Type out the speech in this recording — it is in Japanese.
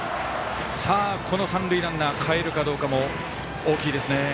この三塁ランナーかえるかどうかも大きいですね。